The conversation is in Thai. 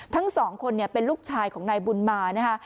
ทั้งสองคนเป็นลูกชายของนายบุญมานะคะ